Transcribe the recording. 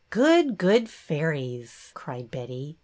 '' Good, good fairies !" cried Betty.